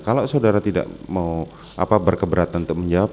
kalau saudara tidak mau berkeberatan untuk menjawab